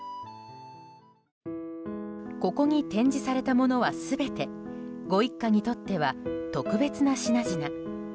ここに展示されたものは全てご一家にとっては特別な品々。